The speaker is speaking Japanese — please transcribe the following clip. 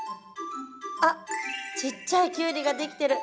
あっちっちゃいキュウリができてる。